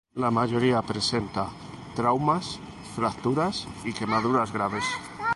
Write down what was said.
La mayoría presentan traumas, fracturas y quemaduras graves.